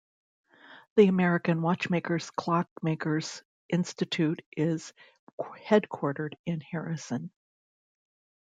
The American Watchmakers-Clockmakers Institute is headquartered in Harrison.